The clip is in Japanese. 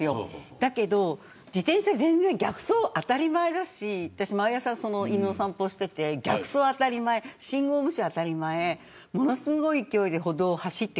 だけど自転車、逆走当たり前だし私、毎朝、犬の散歩してて逆走当たり前、信号無視当たり前ものすごい勢いで歩道を走る。